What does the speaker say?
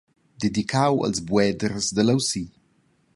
Dedicau als bueders da leusi.